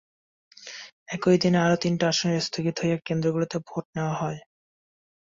একই দিনে আরও তিনটি আসনের স্থগিত হওয়া কেন্দ্রগুলোতেও ভোট নেওয়া হয়।